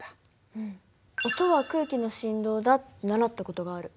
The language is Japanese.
音は空気の振動だって習った事がある。